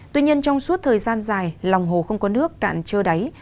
tuy nhiên trong suốt thời gian dài lòng hồ không có nước cạn trơ đáy